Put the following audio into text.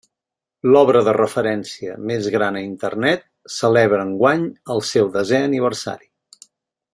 L'obra de referència més gran a Internet celebra enguany el seu desè aniversari.